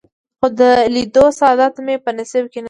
خو د لیدو سعادت مې په نصیب نه شو.